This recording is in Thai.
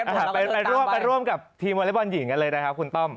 เอาหน้าถ้าได้ก็ต้องไปไปร่วมกับทีมวนละบอลหญิงกันเลยนะครับคุณต้อม